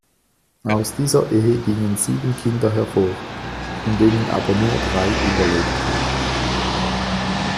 Aus dieser Ehe gingen sieben Kinder hervor, von denen aber nur drei überlebten.